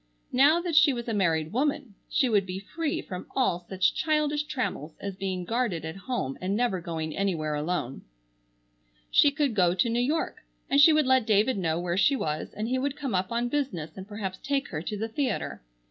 Now that she was a married woman she would be free from all such childish trammels as being guarded at home and never going anywhere alone. She could go to New York, and she would let David know where she was and he would come up on business and perhaps take her to the theatre.